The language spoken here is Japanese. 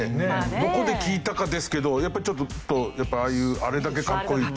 どこで聞いたかですけどやっぱりちょっとやっぱりあれだけかっこいいと。